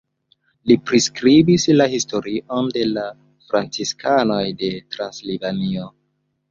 Li priskribis la historion de la franciskanoj de Transilvanio.